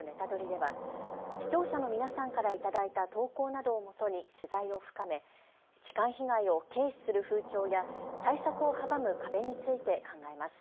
では視聴者の皆さんからいただいた投稿などをもとに取材を深め痴漢被害を軽視する風潮や対策を阻む壁について考えます。＃